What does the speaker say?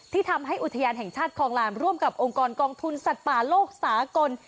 ทำให้อุทยานแห่งชาติคลองลานร่วมกับองค์กรกองทุนสัตว์ป่าโลกสากล